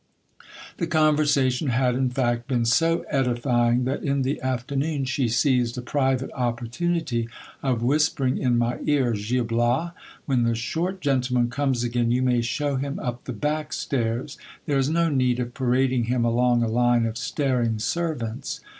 The conversation had, in fact, been so edifying, that in the afternoon she seized a private opportunity of whispering in my ear — Gil Bias, when the short gentleman comes again, you may shew him up the back stairs ; there is no need of parading him along a line of staring servants.